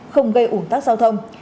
không gây ủng tác giao thông